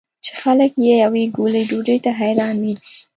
چې خلک یې یوې ګولې ډوډۍ ته حیران وي.